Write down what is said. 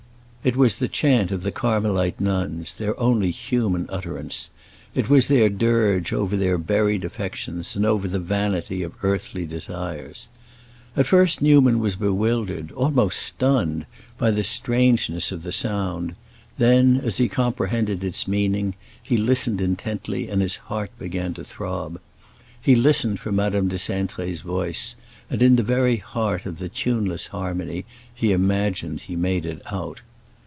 It was the chant of the Carmelite nuns, their only human utterance. It was their dirge over their buried affections and over the vanity of earthly desires. At first Newman was bewildered—almost stunned—by the strangeness of the sound; then, as he comprehended its meaning, he listened intently and his heart began to throb. He listened for Madame de Cintré's voice, and in the very heart of the tuneless harmony he imagined he made it out.